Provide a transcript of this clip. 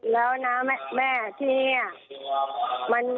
แล้วนะแม่ที่นี่